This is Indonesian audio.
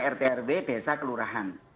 rtrw desa kelurahan